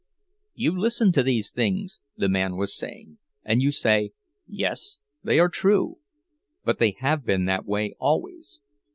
"You listen to these things," the man was saying, "and you say, 'Yes, they are true, but they have been that way always.